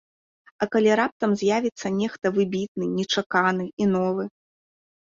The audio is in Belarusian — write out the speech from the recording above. А калі раптам з'явіцца нехта выбітны, нечаканы і новы?